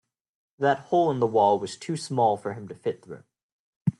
That hole in the wall was too small for him to fit through.